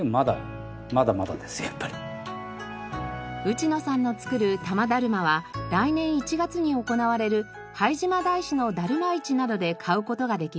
内野さんの作る多摩だるまは来年１月に行われる拝島大師のだるま市などで買う事ができます。